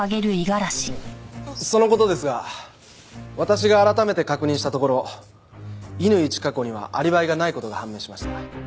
その事ですが私が改めて確認したところ乾チカ子にはアリバイがない事が判明しました。